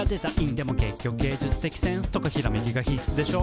「『でも結局、芸術的センスとかひらめきが必須でしょ？』」